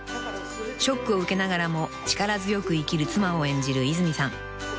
［ショックを受けながらも力強く生きる妻を演じる泉さん］